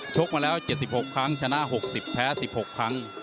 กมาแล้ว๗๖ครั้งชนะ๖๐แพ้๑๖ครั้ง